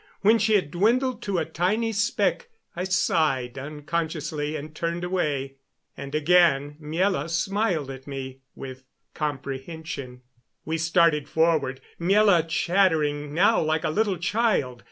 When she had dwindled to a tiny speck I sighed unconsciously and turned away; and again Miela smiled at me with comprehension. We started forward, Miela chattering now like a little child.